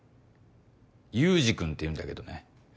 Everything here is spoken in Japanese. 祐司君っていうんだけどね